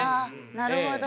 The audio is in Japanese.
なるほど。